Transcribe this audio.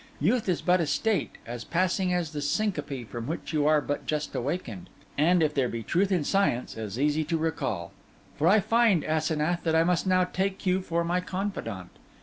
Youth is but a state, as passing as that syncope from which you are but just awakened, and, if there be truth in science, as easy to recall; for I find, Asenath, that I must now take you for my confidant.